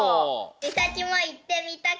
みさきもいってみたくなった。